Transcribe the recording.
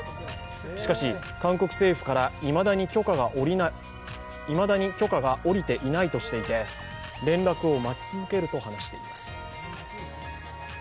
しかし、韓国政府からいまだに許可が下りていないとしていて連絡を待ち続けるとしています。